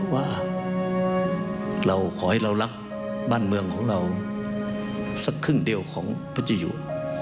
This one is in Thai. ว่าขอให้เรารักบ้านเมืองของเราสักครึ่งเดียวของปัจจุยัว